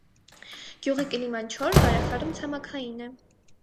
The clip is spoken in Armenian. Գյուղի կլիման չոր, բարեխառն ցամաքային է։